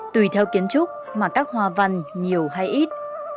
tùy theo kiến trúc mà các hoa văn nhiều hay ít